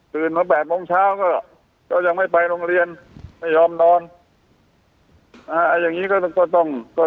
ตื่นมา๘โมงเช้าก็